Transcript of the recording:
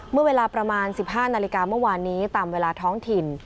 เมื่อเวลาประมาณ๑๕นาฬิกาเมื่อวานนี้ตามเวลาท้องถิ่น